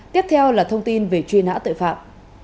tiếp theo là thông tin về truy nã tội phạm